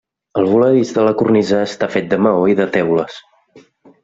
El voladís de la cornisa està fet de maó i teules.